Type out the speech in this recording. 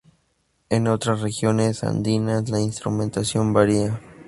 En otras regiones andinas la instrumentación varía.